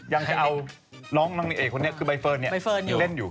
ยังจะเอาน้องนางเอกคนนี้คือใบเฟิร์นเล่นอยู่